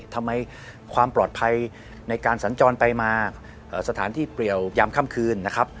ความปลอดภัยในการสัญจรไปมาสถานที่เปรียวยามค่ำคืนนะครับ